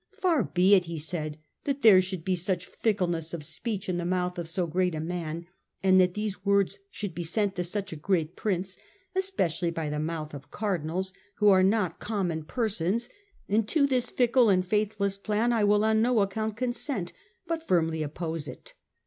" Far be it," he said, " that there should be such fickleness of speech in the mouth of so great a man and that these words should be sent to such a great Prince, especially by the mouth of Cardinals, who are not common persons ; and to this fickle and faith less plan I will on no account consent, but firmly oppose it."